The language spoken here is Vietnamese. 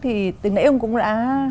thì từng ngày ông cũng đã